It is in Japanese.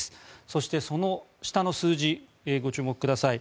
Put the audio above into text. そして、その下の数字ご注目ください。